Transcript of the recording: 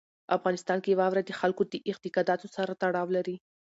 افغانستان کې واوره د خلکو د اعتقاداتو سره تړاو لري.